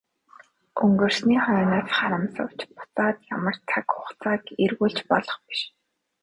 Өнгөрсний хойноос харамсавч буцаад ямар цаг хугацааг эргүүлж болох биш.